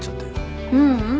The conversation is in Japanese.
ううん。